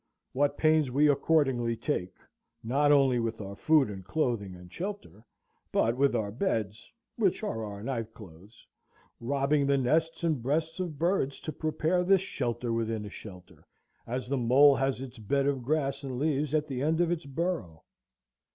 What pains we accordingly take, not only with our Food, and Clothing, and Shelter, but with our beds, which are our night clothes, robbing the nests and breasts of birds to prepare this shelter within a shelter, as the mole has its bed of grass and leaves at the end of its burrow!